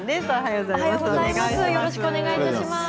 よろしくお願いします。